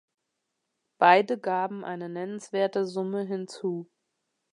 Beide gaben eine nennenswerte Summe hinzu.